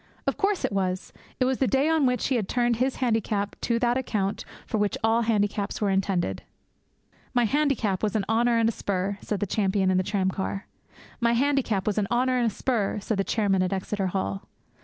Of course it was! It was the day on which he had turned his handicap to that account for which all handicaps were intended. 'My handicap was an honour and a spur!' said the champion in the tramcar. 'My handicap was an honour and a spur!' said the chairman at Exeter Hall.